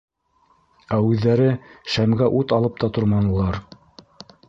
Ә үҙҙәре шәмгә ут алып та торманылар.